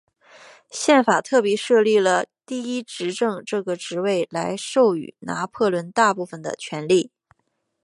宪法特别设立了第一执政这个职位来授予拿破仑大部分的权力。